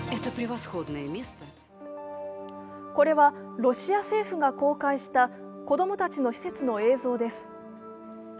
これはロシア政府が公開した子供たちの施設の映像です。